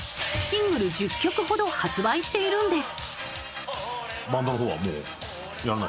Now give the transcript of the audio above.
シングル１０曲ほど発売しているんです。